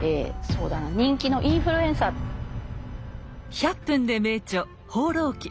「１００分ｄｅ名著」「放浪記」。